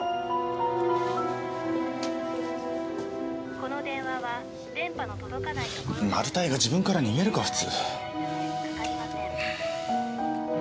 「この電話は電波の届かないところ」マルタイが自分から逃げるか普通。